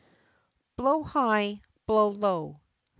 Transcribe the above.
"Blow high, blow low."